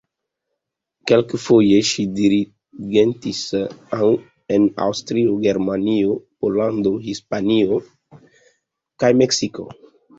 Kelkfoje ŝi dirigentis en Aŭstrio, Germanio, Pollando, Hispanio, kaj Meksiko.